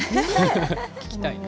聞きたいね。